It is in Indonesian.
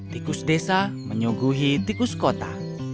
tikus desa menyuguhi tikus kota